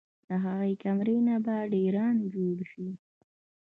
د هغې کمرې نه به ډېران جوړ شي